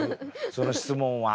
その質問は。